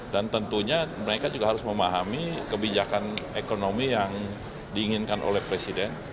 dan tentunya mereka juga harus memahami kebijakan ekonomi yang diinginkan oleh presiden